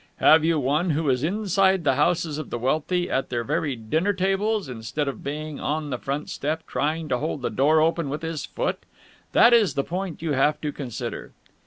Have you one who is inside the houses of the wealthy, at their very dinner tables, instead of being on the front step, trying to hold the door open with his foot? That is the point you have to consider.'